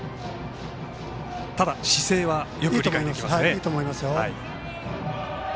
ただ、姿勢はよく理解できますね。